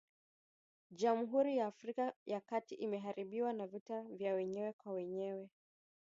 Jamhuri ya Afrika ya kati imeharibiwa na vita vya wenyewe kwa wenyewe